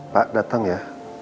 pak datang ya